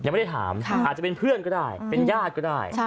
ไม่ได้ถามอาจจะเป็นเพื่อนก็ได้เป็นญาติก็ได้